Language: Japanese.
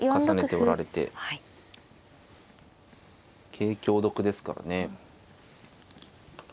桂香得ですからね。